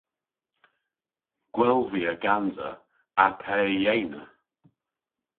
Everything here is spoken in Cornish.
Gwell via gansa a pe yeynna.